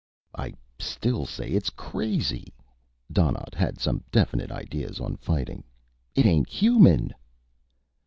"I still say it's crazy." Donnaught had some definite ideas on fighting. "It ain't human."